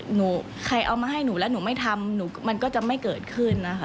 ใครเอามาให้หนูแล้วหนูไม่ทำหนูมันก็จะไม่เกิดขึ้นนะคะ